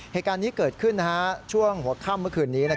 เหตุการณ์นี้เกิดขึ้นช่วงหัวค่ำเมื่อคืนนี้